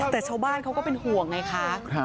แต่ชาวบ้านเขาก็เป็นห่วงไงคะ